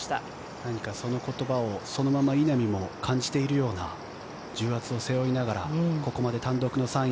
何かその言葉をそのまま稲見も感じているような重圧を背負いながらここまで単独の３位。